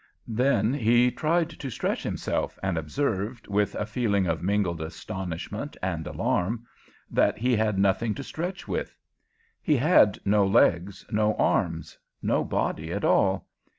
Then he tried to stretch himself, and observed, with a feeling of mingled astonishment and alarm, that he had nothing to stretch with. He had no legs, no arms no body at all.